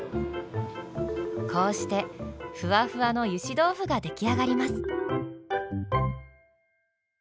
こうしてふわふわのゆし豆腐が出来上がります。